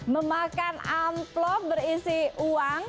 memakan amplop berisi uang